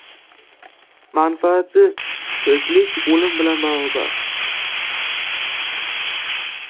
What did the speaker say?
— Manfaatsiz tiriklik o‘lim bilan barobar.